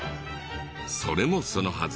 それもそのはず。